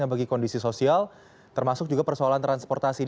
mulai malam ini juga semua unsur yang terkait akan turun ke lapangan